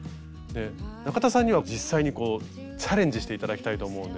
中田さんには実際にチャレンジして頂きたいと思うんですが。